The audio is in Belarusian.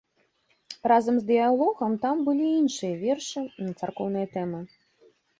Разам з дыялогам там былі і іншыя вершы на царкоўныя тэмы.